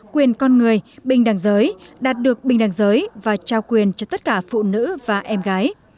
quyền con người bình đẳng giới đạt được bình đẳng giới và trao quyền cho tất cả phụ nữ và em gái